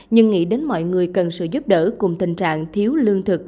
nhưng nghĩ đến mọi người cần sự giúp đỡ cùng tình trạng thiếu lương thực